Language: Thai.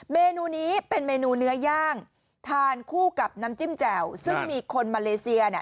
เมนูนี้เป็นเมนูเนื้อย่างทานคู่กับน้ำจิ้มแจ่วซึ่งมีคนมาเลเซียเนี่ย